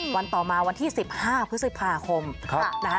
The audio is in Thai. วันต่อมาวันที่๑๕พฤษภาคมนะคะ